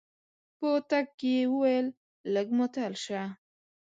په تګ کې يې وويل لږ ماتل شه.